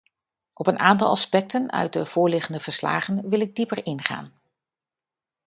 Op een aantal aspecten uit de voorliggende verslagen wil ik dieper ingaan.